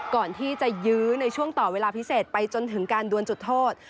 ก่อนที่จะยื้อในช่วงต่อเวลาพิเศษไปจนถึงการดวนจุดโทษ